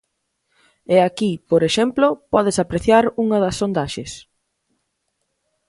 E aquí, por exemplo, pódese apreciar unha das sondaxes.